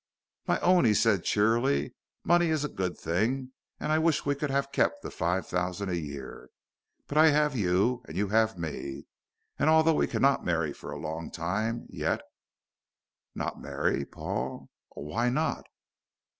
"My own," he said cheerily, "money is a good thing, and I wish we could have kept the five thousand a year. But I have you, and you have me, and although we cannot marry for a long time yet " "Not marry, Paul! Oh, why not?"